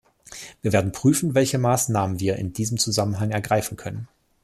Wir werden prüfen, welche Maßnahmen wir in diesem Zusammenhang ergreifen können.